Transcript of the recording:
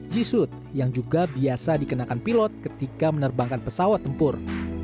jisuit yang juga biasa dikenakan pilot ketika menerbangkan pesawat tempur